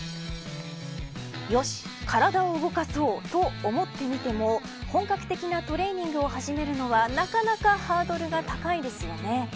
よし、体を動かそうと思ってみても本格的なトレーニングを始めるのはなかなかハードルが高いですよね。